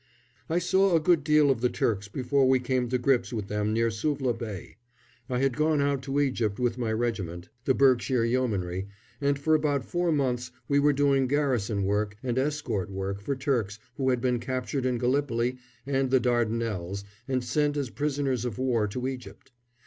] I saw a good deal of the Turks before we came to grips with them near Suvla Bay. I had gone out to Egypt with my regiment, the Berkshire Yeomanry, and for about four months we were doing garrison work and escort work for Turks who had been captured in Gallipoli and the Dardanelles and sent as prisoners of war to Egypt.